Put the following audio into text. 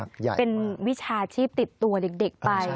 เป็นวิชาชีพติดตัวเด็กไป